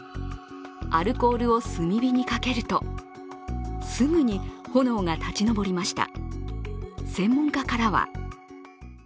アルコールを炭火にかけるとすぐに炎が立ち上りました。